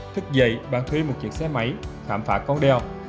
thức dậy bà thuê một chiếc xe máy khám phá con đeo